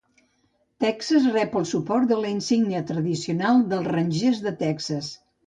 "Texas" rep el suport de la insígnia tradicional dels Rangers de Texas.